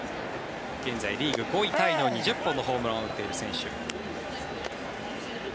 現在リーグ５位タイの２０本のホームランを打っている選手。